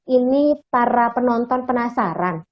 ini para penonton penasaran